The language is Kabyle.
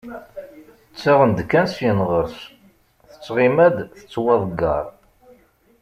Ttaɣen-d kan, syin ɣer-s, tettɣima-d tettwaḍeggar.